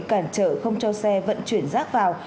cản trở không cho xe vận chuyển rác vào